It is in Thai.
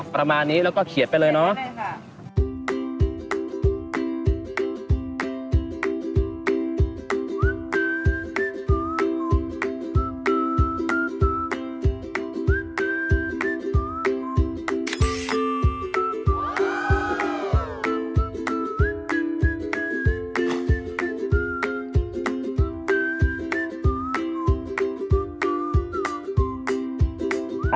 ประมาณนี้แล้วก็เขียนไปเลยเนาะ